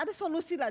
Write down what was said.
ada solusi lah